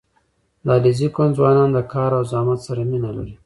• د علیزي قوم ځوانان د کار او زحمت سره مینه لري.